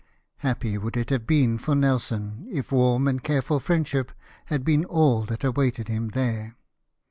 Happy would it have been for Nelson if warm and careful friendship had been all that awaited him there